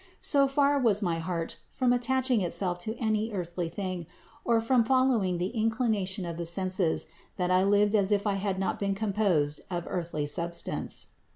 So far was my heart from attaching itself to any earthly thing, or from following the incli nation of the senses, that I lived as if I had not been composed of earthly substance.